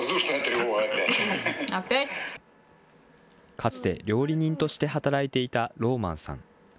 かつて料理人として働いていたローマンさん。